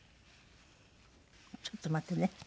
ちょっと待ってね。